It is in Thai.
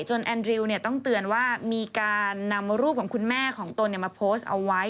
แอนดริวต้องเตือนว่ามีการนำรูปของคุณแม่ของตนมาโพสต์เอาไว้